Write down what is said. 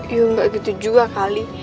ya nggak gitu juga kali